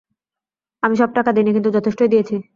আমি সব টাকা দেই নি, কিন্তু যথেষ্টই দিয়েছি।